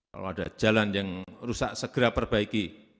kalau ada jalan yang rusak segera perbaiki